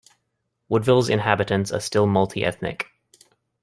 Woodville's inhabitants are still multiethnic.